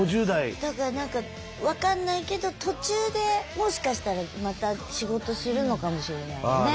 だから分かんないけど途中でもしかしたらまた仕事するのかもしれないよね。